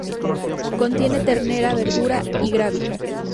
Contiene ternera, verdura y "gravy".